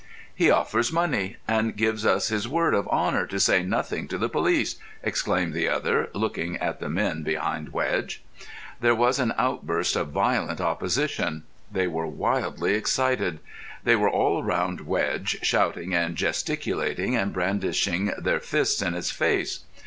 "He offers money, and gives his word of honour to say nothing to the police!" exclaimed the other, looking at the men behind Wedge. There was an outburst of violent opposition. They were wildly excited. They were all round Wedge, shouting and gesticulating and brandishing their fists in his face.